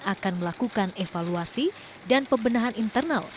akan melakukan evaluasi dan pembenahan internal